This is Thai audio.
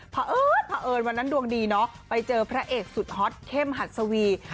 พอเอิญวันนั้นดวงดีไปเจอพระเอกสุดฮ็อตเข้มหัสวี